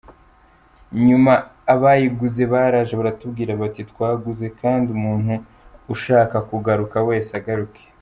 Nyuma abayiguze baraje baratubwira bati ‘twaguze kandi umuntu ushaka kugaruka wese agaruke’.